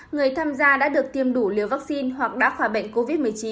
người tham gia đã được tiêm đủ liều vaccine hoặc đã khỏi bệnh covid một mươi chín